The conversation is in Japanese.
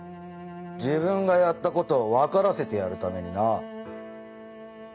自分がやったことを分からせてやるためにな。